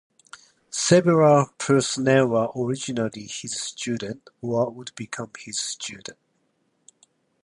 Several personnel were originally his student or would become his student.